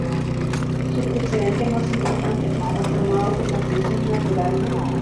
Su precedente más importante está formado por las ciencias naturales.